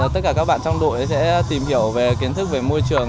tất cả các bạn trong đội sẽ tìm hiểu về kiến thức về môi trường